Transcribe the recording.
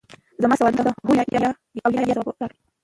زما سوالونو ته په هو او یا ځواب راکړه